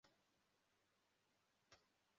abana bakina mu isoko